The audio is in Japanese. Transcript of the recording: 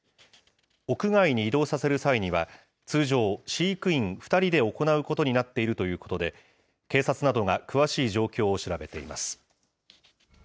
屋外に移動させる際には、通常、飼育員２人で行うことになっているということで、警察などが詳しい状況を調べています。